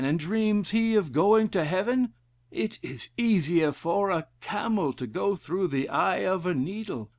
and dreams he of going to Heaven? It is easier for a camel to go through the eye of a needle.'